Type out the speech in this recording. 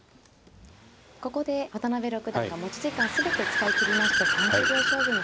ここで渡辺六段が持ち時間全て使い切りまして３０秒将棋に入りました。